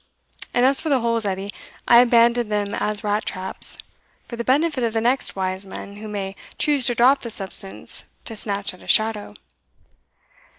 And as for the holes, Edie, I abandon them as rat traps, for the benefit of the next wise men who may choose to drop the substance to snatch at a shadow."